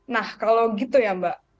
nah kalau gitu ya mbak